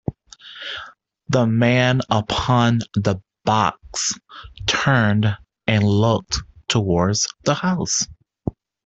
The man upon the box turned and looked towards the house.